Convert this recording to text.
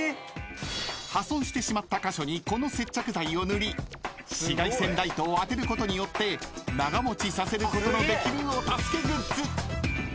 ［破損してしまった箇所にこの接着剤を塗り紫外線ライトを当てることによって長持ちさせることのできるお助けグッズ］